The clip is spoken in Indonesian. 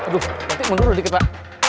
nanti mundur dulu dikit pak